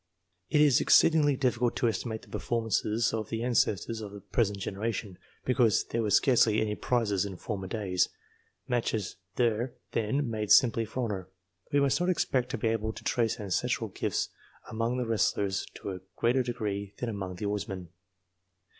It is exceedingly difficult to estimate the performances of the ancestors of the present generation, because there were scarcely any prizes in former days ; matches were then made simply for honour. We must not expect to be able to trace ancestral gifts among the wrestlers to a greater degree than among the oarsmen.